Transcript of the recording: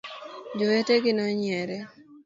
Jowete gi nonyiere.